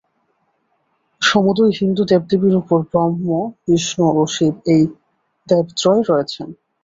সমুদয় হিন্দু দেবদেবীর উপর ব্রহ্ম, বিষ্ণু ও শিব এই দেবত্রয় রয়েছেন।